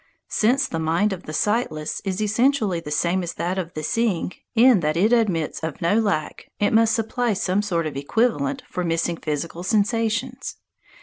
Since the mind of the sightless is essentially the same as that of the seeing in that it admits of no lack, it must supply some sort of equivalent for missing physical sensations.